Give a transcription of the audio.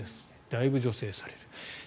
だいぶ助成される。